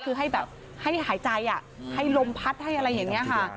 คือให้แบบให้หายใจให้ลมพัดให้อะไรอย่างนี้ค่ะ